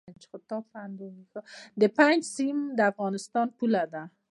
د پنج سیند د افغانستان پوله ده